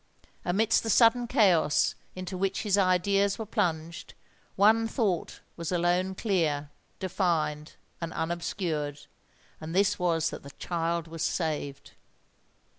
Amidst the sudden chaos into which his ideas were plunged, one thought was alone clear—defined—and unobscured; and this was that the child was saved!